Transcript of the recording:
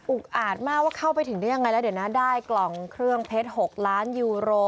อาจมากว่าเข้าไปถึงได้ยังไงแล้วเดี๋ยวนะได้กล่องเครื่องเพชร๖ล้านยูโร